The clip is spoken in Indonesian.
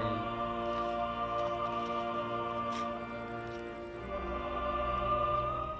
yesus kasihanilah kami